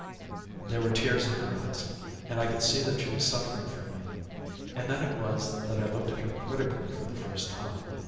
There were tears in her eyes and I could see that she was suffering for me. And then it was that I looked at her critically for the first time.